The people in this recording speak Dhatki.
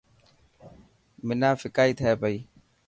حنا ڦڪائي تي پئي.